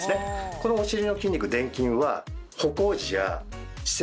このお尻の筋肉臀筋は。